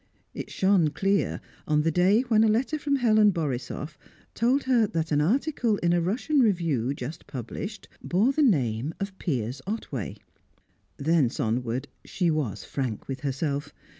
It shone clear on the day when a letter from Helen Borisoff told her that an article in a Russian review, just published, bore the name of Piers Otway. Thence onward, she was frank with herself.